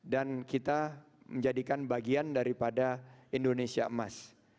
dan kita menjadikan bagian daripada indonesia emas